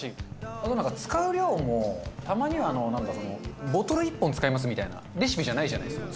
あとなんか使う量もたまになんかそのボトル１本使いますみたいなレシピじゃないじゃないですか。